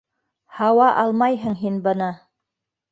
Һауа алмайһың һин быны!